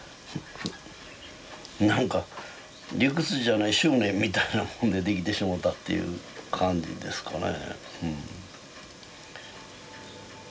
なんか理屈じゃない執念みたいなもんで出来てしもうたっていう感じですかね。